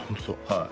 はい。